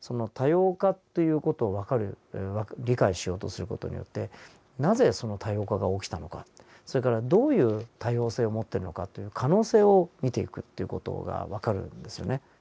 その多様化という事をわかる理解しようとする事によってなぜその多様化が起きたのかそれからどういう多様性を持ってるのかという可能性を見ていくという事がわかるんですよね。